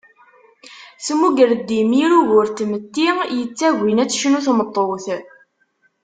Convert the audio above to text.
Tmugger-d imir ugur n tmetti, yettagin ad tecnu tmeṭṭut.